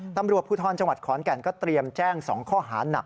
ตำรวจภูทรจังหวัดขอนแก่นก็เตรียมแจ้ง๒ข้อหานัก